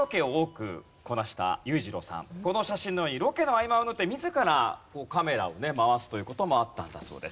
この写真のようにロケの合間を縫って自らカメラを回すという事もあったんだそうです。